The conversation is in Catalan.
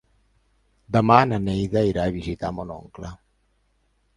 Demà na Neida irà a visitar mon oncle.